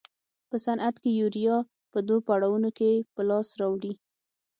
په صنعت کې یوریا په دوو پړاوونو کې په لاس راوړي.